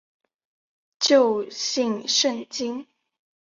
旧姓胜津。